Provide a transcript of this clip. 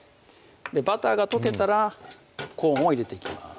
バターが溶けたらコーンを入れていきます